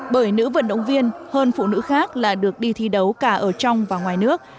bởi nữ vận động viên hơn phụ nữ khác là được đi thi đấu cả ở trong và ngoài nước